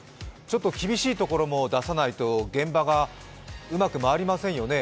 厳しいところも出さないと現場がうまく回らないですよね。